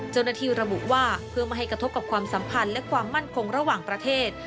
เจ้าหน้าที่ระบุว่าเพื่อไม่ให้กระทบกับความสัมพันธ์และความมั่นคงระหว่างประเทศ